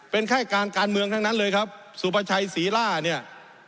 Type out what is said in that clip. เป็นค่ายการการเมืองทั้งนั้นเลยครับสุประชัยศรีล่าเนี่ย